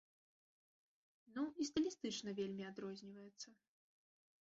Ну, і стылістычна вельмі адрозніваецца.